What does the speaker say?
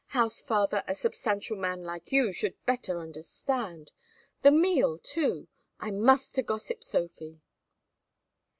House father, a substantial man like you should better understand! The meal too! I must to gossip Sophie!"